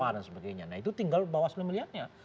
nah itu tinggal bawa semuanya melihatnya